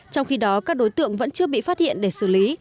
trong khi đó các đối tượng vẫn chưa bị phát hiện để xử lý